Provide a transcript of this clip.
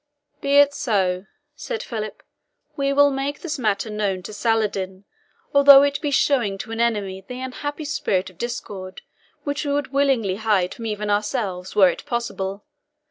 "Be it so," said Philip; "we will make this matter known to Saladin, although it be showing to an enemy the unhappy spirit of discord which we would willingly hide from even ourselves, were it possible.